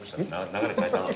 流れ変えたな。